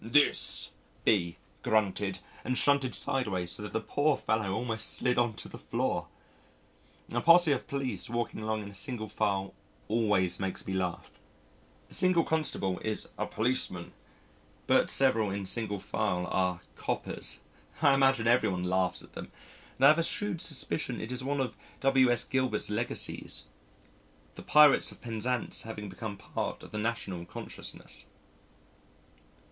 "This," B grunted, and shunted sideways so that the poor fellow almost slid on to the floor. A posse of police walking along in single file always makes me laugh. A single constable is a Policeman, but several in single file are "Coppers." I imagine every one laughs at them and I have a shrewd suspicion it is one of W.S. Gilbert's legacies the Pirates of Penzance having become part of the national Consciousness.